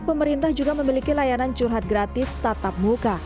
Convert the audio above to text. pemerintah juga memiliki layanan curhat gratis tatap muka